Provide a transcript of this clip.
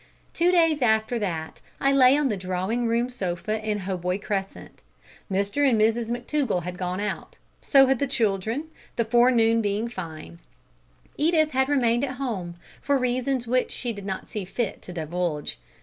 Two days after that I lay on the drawing room sofa in Hoboy Crescent. Mr and Mrs McTougall had gone out. So had the children, the forenoon being fine. Edith had remained at home, for reasons which she did not see fit to divulge.